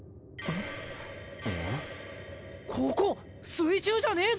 水中じゃねえぞ！